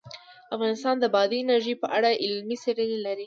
افغانستان د بادي انرژي په اړه علمي څېړنې لري.